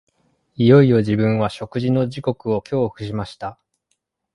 いよいよ自分は食事の時刻を恐怖しました